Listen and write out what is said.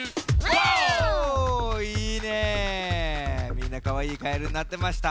みんなかわいいカエルになってました。